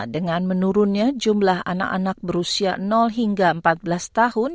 dengan menurunnya jumlah anak anak berusia hingga empat belas tahun